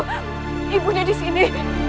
putraku ibunya disini